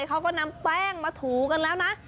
เขาก็นำแป้งมาถูกันแล้วนะ